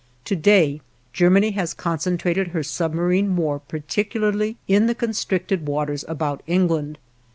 To day Germany has concentrated her submarine war particularly in the constricted waters about England.